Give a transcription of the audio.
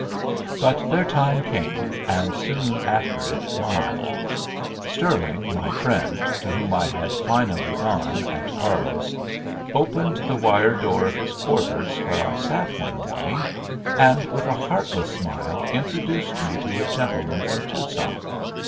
But their time came, and soon after it mine. Stirling, my friend, to whom I had finally gone at Carlos, opened the wire door of his quarters where I sat one morning, and with a heartless smile introduced me to a gentleman from Tucson.